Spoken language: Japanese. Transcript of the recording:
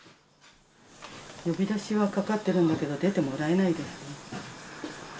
呼び出しはかかってるんだけど、出てもらえないですね。